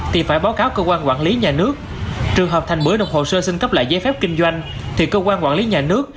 trường hợp thành bưởi đồng hồ sơ xin cấp lại giấy phép kinh doanh thì cơ quan quản lý nhà nước